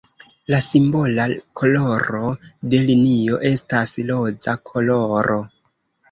La simbola koloro de linio estas roza koloro.